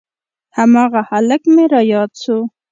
هماغه هلک مې راياد سو.